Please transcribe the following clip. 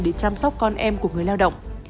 để chăm sóc con em của người lao động